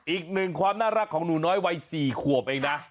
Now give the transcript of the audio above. อีกหนึ่งความน่ารักของหนูน้อยวัย๔ขวบเองนะ